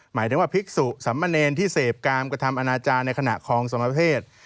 หมายถึงว่าภิกษุสมเนรที่เสพกามกระทำอนาจารย์ในขณะคลองสมเพศ